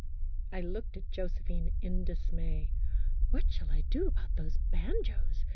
I looked at Josephine in dismay. "What shall I do about those banjos